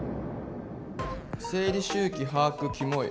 「生理周期把握、キモい」。